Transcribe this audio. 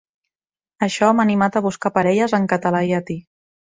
Això m'ha animat a buscar parelles en català-llatí.